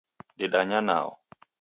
Dedanya nao